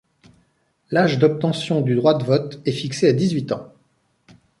L'âge d'obtention du droit de vote est fixé à dix huit ans.